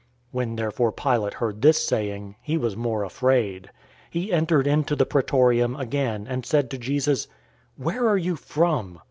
019:008 When therefore Pilate heard this saying, he was more afraid. 019:009 He entered into the Praetorium again, and said to Jesus, "Where are you from?"